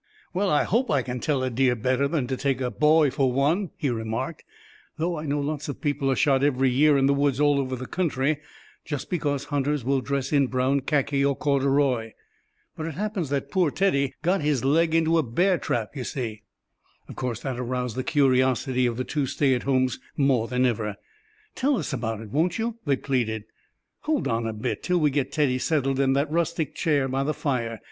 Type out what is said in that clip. "Well, I hope I can tell a deer better than to take a boy for one," he remarked, "though I know lots of people are shot every year in the woods all over the country, just because hunters will dress in brown khaki or corduroy. But it happens that poor Teddy got his leg into a bear trap, you see." Of course that aroused the curiosity of the two stay at homes more than ever. "Tell us about it, won't you?" they pleaded. "Hold on a bit, till we get Teddy settled in that rustic chair by the fire.